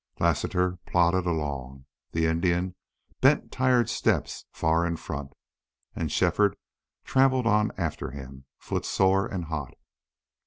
Lassiter plodded along. The Indian bent tired steps far in front. And Shefford traveled on after him, footsore and hot.